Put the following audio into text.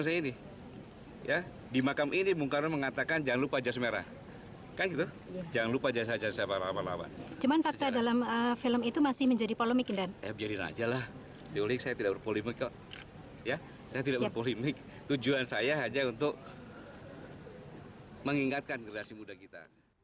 saya tidak berpolemik tujuan saya hanya untuk mengingatkan generasi muda kita